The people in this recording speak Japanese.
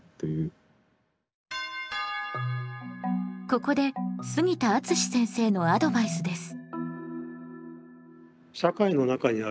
ここで杉田敦先生のアドバイスです。